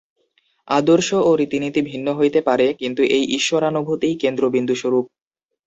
আদর্শ ও রীতিনীতি ভিন্ন হইতে পারে, কিন্তু এই ঈশ্বরানুভূতিই কেন্দ্র-বিন্দুস্বরূপ।